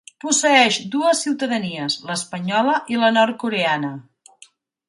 Posseeix dues ciutadanies: l'espanyola i la nord-coreana.